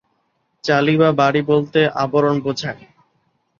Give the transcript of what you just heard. চালি বা বারি বলতে আবরণ বোঝায়।